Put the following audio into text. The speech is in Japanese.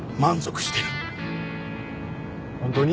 本当に？